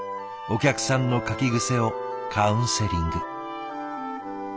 お客さんの書き癖をカウンセリング。